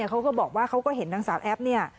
เขาก็บอกว่าเขาก็เห็นนางสาวแอปเนี่ย